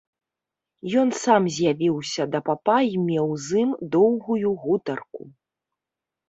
Ён сам з'явіўся да папа і меў з ім доўгую гутарку.